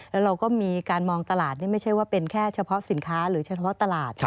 แล้วเราก็มีการมองตลาดนี่ไม่ใช่ว่าเป็นแค่เฉพาะสินค้าหรือเฉพาะตลาด